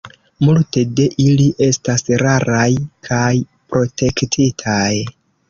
Multe de ili estas raraj kaj protektitaj.